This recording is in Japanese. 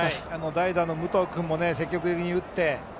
代打の武藤君も積極的に打って。